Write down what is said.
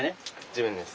自分です。